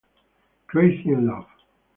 Crazy in Love